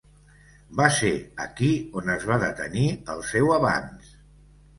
Va ser aquí on es va detenir el seu avanç.